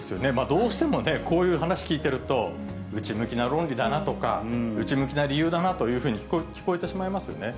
どうしてもこういう話聞いてると、内向きな論理だなとか、内向きな理由だなというふうに聞こえてしまいますよね。